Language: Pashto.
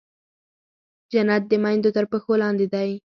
جنت د مېندو تر پښو لاندې دی.